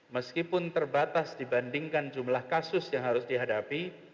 meskipun terbatas dibandingkan jumlah kasus yang harus dihadapi